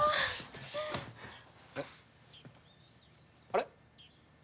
あれ？